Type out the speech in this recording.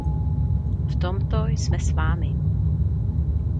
V tomto jsme s vámi.